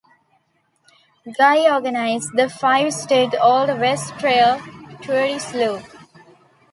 Guy organized the five-state Old West Trail Tourist Loop.